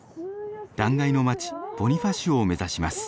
断崖の町ボニファシオを目指します。